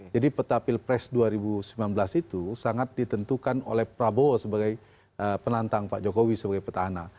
jadi peta pilpres dua ribu sembilan belas itu sangat ditentukan oleh prabowo sebagai penantang pak jokowi sebagai peta anak